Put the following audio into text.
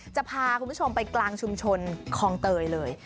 จะพาคุณผู้ชมไปกลางชุมชนคลองเตยเลย